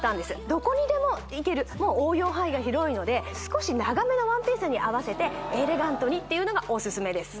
どこにでも行ける応用範囲が広いので少し長めのワンピースにあわせてエレガントにっていうのがオススメです